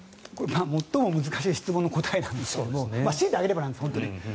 最も難しい質問の答えなんですがしいて挙げればなんです。